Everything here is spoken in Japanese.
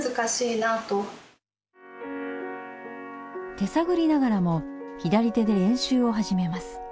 手探りながらも左手で練習を始めます。